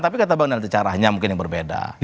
tapi kata bang nanti caranya mungkin yang berbeda